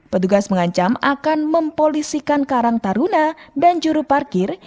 petugas mengancam akan mempolisikan karang taruna dan juru parkir